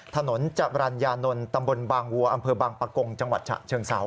ถนนจรรยานนท์ตำบลบางวัวอำเภอบางปะกงจังหวัดฉะเชิงเซา